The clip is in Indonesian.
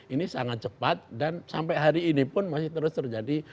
ini sangat cepat dan sampai hari ini pun masih terus terjadi